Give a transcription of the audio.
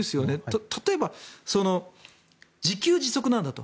例えば自給自足なんだと。